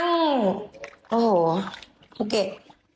ภูเก็ต